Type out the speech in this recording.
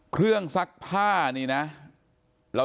เครื่องซักผ้านี้นะ